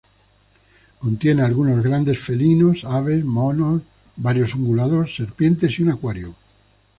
Contiene algunos grandes felinos, aves, monos, varios ungulados, serpientes, y un acuario.